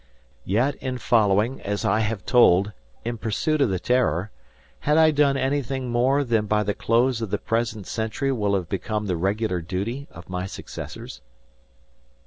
Yet, in following, as I have told, in pursuit of the "Terror," had I done anything more than by the close of the present century will have become the regular duty of my successors?